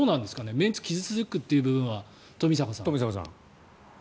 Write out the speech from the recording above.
メンツが傷付くという部分は冨坂さん。